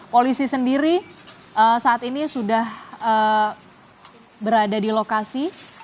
polisi sendiri saat ini sudah berada di lokasi